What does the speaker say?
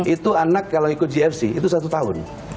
itu anak kalau ikut gfc itu satu tahun